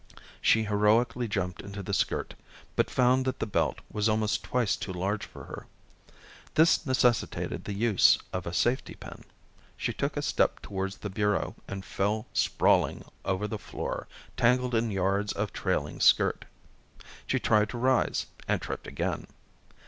She heroically jumped into the skirt, but found that the belt was almost twice too large for her. This necessitated the use of a safety pin. She took a step towards the bureau, and fell sprawling over the floor, tangled in yards of trailing skirt. She tried to rise, and tripped again.